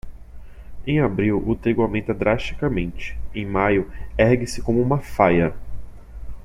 Em abril, o trigo aumenta drasticamente; Em maio, ergue-se como uma faia.